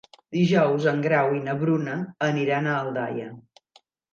Dijous en Grau i na Bruna aniran a Aldaia.